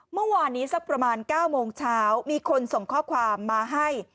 เมื่อวานนี้สักประมาณ๙โมงเช้ามีคนส่งข้อความมาให้